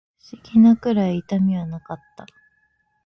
不思議なくらい痛みはなかった